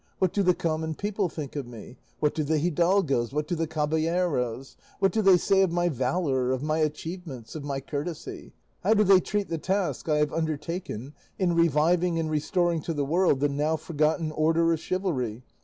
What do the common people think of me? What do the hidalgos? What do the caballeros? What do they say of my valour; of my achievements; of my courtesy? How do they treat the task I have undertaken in reviving and restoring to the world the now forgotten order of chivalry?